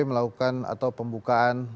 melakukan atau pembukaan